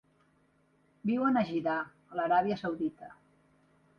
Viuen a Jiddah, a l'Aràbia Saudita.